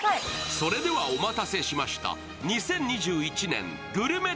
それではお待たせしました。